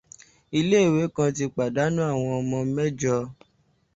Iléèwé kan ti pàdánù àwọn ọmọ mẹ́jọ.